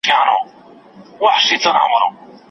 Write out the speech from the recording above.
نور یې « آیة » بولي زه یې بولم «مُنانۍ»